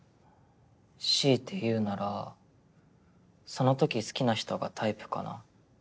強いて言うならその時好きな人がタイプかな。